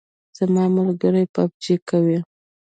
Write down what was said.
زما ملګری پابجي کوي